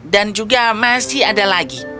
dan juga masih ada lagi